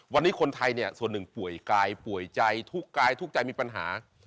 วันนี้คนไทยเนี่ยส่วนหนึ่งป่วยกายป่วยใจทุกข์กายทุกข์ใจมีปัญหา